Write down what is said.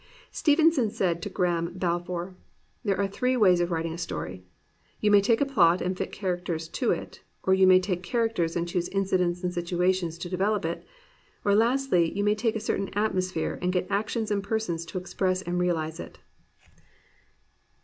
Stevenson said to Graham Balfour: "There are three ways of writing a story. You may take a plot and fit characters to it, or you may take a char acter and choose incidents and situations to develop it, or lastly you may take a certain atmosphere and get actions and persons to express and reahze it.